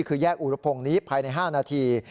คือแยกอุรพงศ์นี้ภายใน๕นาที